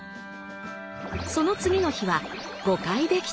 その次の日は５回できた。